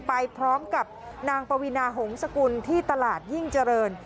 ไปพร้อมกับนางปวีนาหงษกุลที่ตลาดยิ่งเจริญ